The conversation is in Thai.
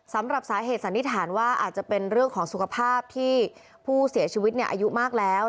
สำหรับสาเหตุสันนิษฐานว่าอาจจะเป็นเรื่องของสุขภาพที่ผู้เสียชีวิตอายุมากแล้ว